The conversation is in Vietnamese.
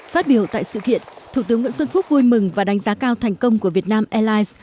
phát biểu tại sự kiện thủ tướng nguyễn xuân phúc vui mừng và đánh giá cao thành công của việt nam airlines